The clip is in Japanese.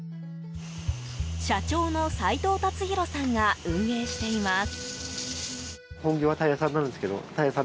社長の齋藤辰洋さんが運営しています。